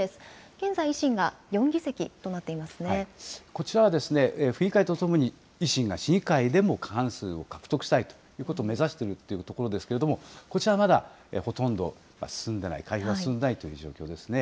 現在、維新が４議席となってこちらは府議会とともに、維新が市議会でも過半数を獲得したいということを目指しているところですけれども、こちらはまだ、ほとんど進んでない、開票は進んでいないという状況ですね。